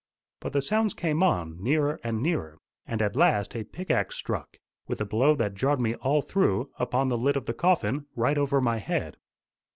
But the sounds came on, nearer and nearer, and at last a pickaxe struck, with a blow that jarred me all through, upon the lid of the coffin, right over my head.